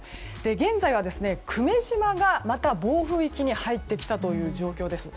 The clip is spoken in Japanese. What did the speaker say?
現在は久米島がまた暴風域に入ってきた状況です。